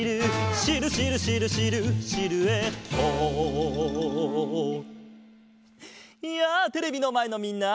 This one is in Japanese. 「シルシルシルシルシルエット」やあテレビのまえのみんな！